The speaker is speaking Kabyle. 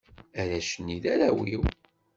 Arrac-nni, d arraw-iw.